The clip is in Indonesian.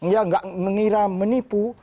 enggak mengira menipu